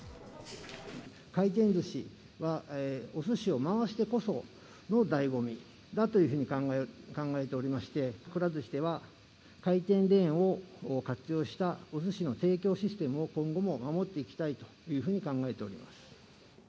回転ずしはおすしを回してこそのだいご味だというふうに考えておりまして、くら寿司では回転レーンを活用したおすしの提供システムを、今後も守っていきたいというふうに考えております。